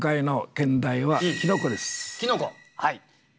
はい。